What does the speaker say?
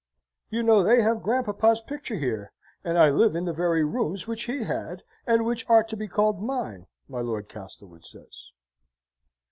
You know they have Grandpapa's picture here, and I live in the very rooms which he had, and which are to be called mine, my Lord Castlewood says.